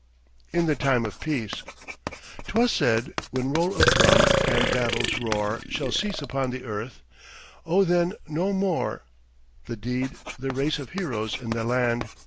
IN THE TIME OF PEACE 'Twas said: "When roll of drum and battle's roar Shall cease upon the earth, O, then no more The deed the race of heroes in the land."